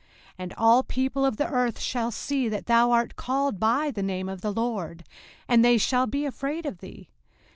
05:028:010 And all people of the earth shall see that thou art called by the name of the LORD; and they shall be afraid of thee.